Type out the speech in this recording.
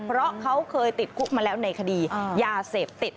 เพราะเขาเคยติดคุกมาแล้วในคดียาเสพติด